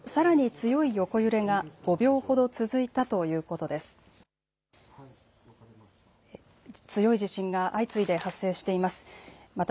強い地震が相次いで発生しています。